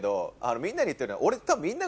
みんなに言ってるのは俺多分。